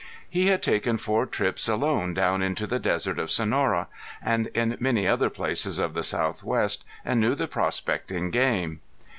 He had taken four trips alone down into the desert of Sonora, and in many other places of the southwest, and knew the prospecting game.